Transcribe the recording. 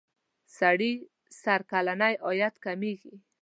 سړي سر کلنی عاید کمیږي.